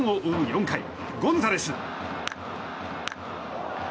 ４回ゴンザレス。